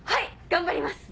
頑張ります。